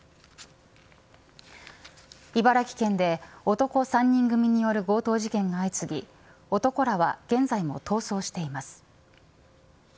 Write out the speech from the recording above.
茨城県で男３人組による強盗事件が相次ぎ男らは現在も逃走しています。